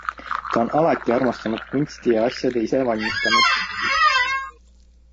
Ta on alati armastanud kunsti ja asjade ise valmistamist.